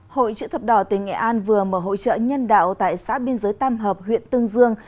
hội chữ thập đỏ tỉnh nghệ an vừa mở hỗ trợ nhân đạo tại xã biên giới tam hợp huyện tương dương